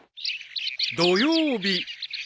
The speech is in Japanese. ［土曜日］